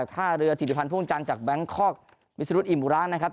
ท่าเรือถิดวิธีภัณฑ์พุ่งจันทร์จากแบงค์คอกมิสรุธอิมบุราชนะครับ